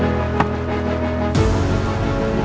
udah lo jangan takut ya